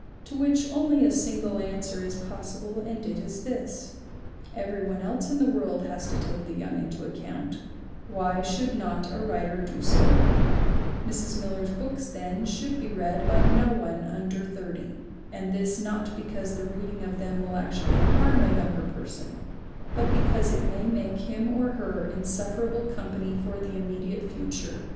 To which only a single answer is possible and it is this: Everybody else in the world has to take the young into account ; why should not a writer do so ? Mrs. Miller's books, then, should be read by no one under thirty. And this not because the reading of them will actually harm a younger person, but because it may make him or her insufferable company for the immediate future.